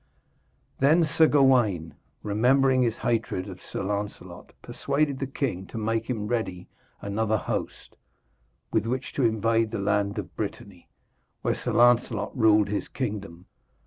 Then Sir Gawaine, remembering his hatred of Sir Lancelot, persuaded the king to make him ready another host, with which to invade the land of Brittany where Sir Lancelot ruled his kingdom.